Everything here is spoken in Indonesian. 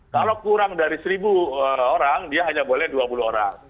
kalau kurang dari seribu orang dia hanya boleh dua puluh orang